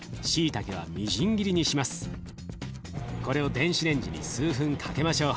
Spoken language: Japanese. これを電子レンジに数分かけましょう。